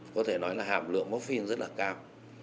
có thể nói là hàm lượng mốc phiên rất là cao